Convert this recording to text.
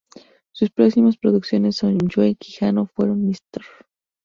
Sus próximas producciones con Joe Quijano fueron "Mr.